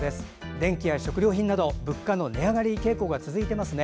電気や食料品など物価の値上がり傾向が続いていますね。